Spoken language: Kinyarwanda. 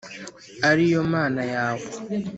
ari yo Mana yawe